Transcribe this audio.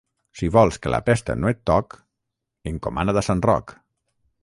Si vols que la pesta no et toc, encomana't a Sant Roc.